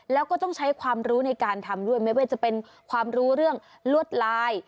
แล้วก็ต้องใช้ความรู้ในการทำด้วยไม่ว่าจะเป็นความรู้เรื่องลวดลาย